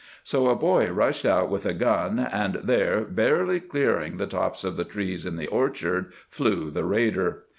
So a boy rushed out with a gun, and there, barely clearing the tops of the trees in the orchard, flew the raider.